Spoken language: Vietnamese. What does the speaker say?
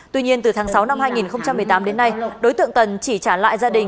tuy nhiên từ tháng sáu năm hai nghìn một mươi tám đến nay đối tượng tần chỉ trả lại gia đình